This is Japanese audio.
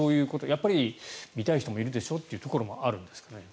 やっぱり見たい人もいるでしょうということもあるんですかね？